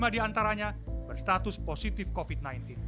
tujuh puluh lima diantaranya berstatus positif covid sembilan belas